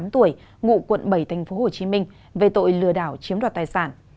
bốn mươi tám tuổi ngụ quận bảy tp hcm về tội lừa đảo chiếm đoạt tài sản